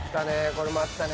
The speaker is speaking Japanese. これもあったね。